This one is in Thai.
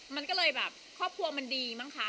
มันก็เลยแบบครอบครัวมันดีมั้งคะ